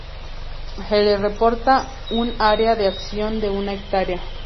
Se le reporta un área de acción de una hectárea.